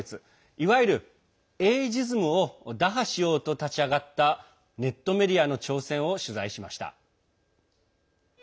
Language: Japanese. いわゆるエイジズムを打破しようと立ち上がったネットメディアの挑戦を取材しました。